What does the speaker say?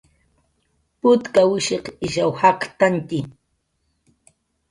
Putkawishiq ishaw jaktantantxi